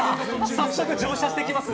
早速乗車してきます。